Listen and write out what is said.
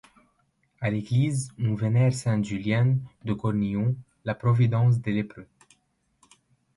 À l'église, on vénère sainte Julienne de Cornillon, la providence des lépreux.